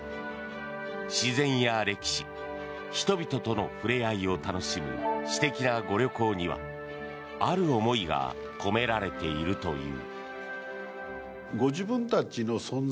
自然や歴史人々との触れ合いを楽しむ私的なご旅行にはある思いが込められているという。